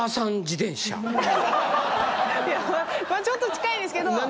ちょっと近いですけど。